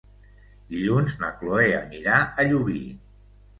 Dilluns na Cloè anirà a Llubí.